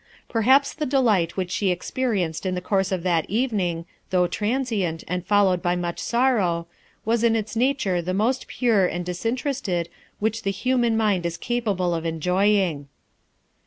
Perhaps the delight which she experienced in the course of that evening, though transient, and followed by much sorrow, was in its nature the most pure and disinterested which the human mind is capable of enjoying.